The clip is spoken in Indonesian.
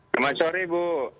selamat sore bu